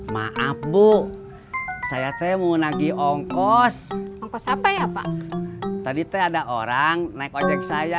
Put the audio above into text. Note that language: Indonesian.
maaf bu saya teh mau nagi ongkos ongkos apa ya pak tadi teh ada orang naik ojek saya